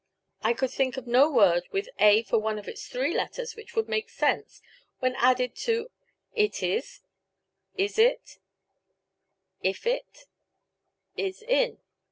I could think of no word with a for one of its three letters which would make sense when added on to It is, Is it, I f it, Is in.